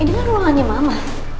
ini kan ruangannya mama